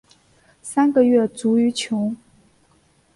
三月卒于琼。